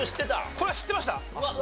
これは知ってました。